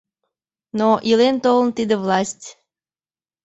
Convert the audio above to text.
Но, илен-толын, тиде власть...